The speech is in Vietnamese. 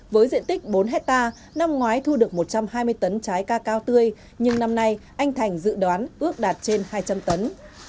với diện tích bốn hectare năm ngoái thu được một trăm hai mươi tấn trái cacao tươi nhưng năm nay anh thành dự đoán ước đạt trên hai trăm linh tấn